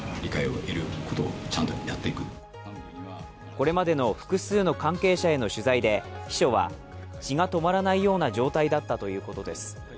これまでの複数の関係者への取材で秘書は、血が止まらないような状態だったということです。